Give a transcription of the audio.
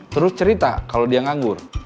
terus cerita kalau dia nganggur